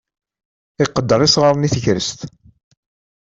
Iqedder isɣaren i tegrest.